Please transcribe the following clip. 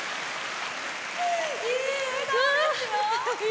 いい笑顔ですよ。